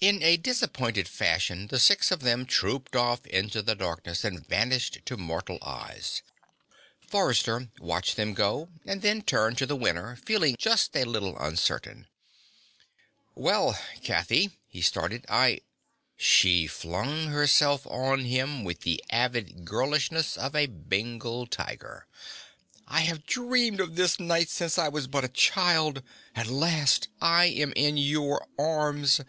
In a disappointed fashion, the six of them trooped off into the darkness and vanished to mortal eyes. Forrester watched them go and then turned to the winner, feeling just a little uncertain. "Well, Kathy," he started. "I " She flung herself on him with the avid girlishness of a Bengal tiger. "I have dreamed of this night since I was but a child! At last I am in your arms!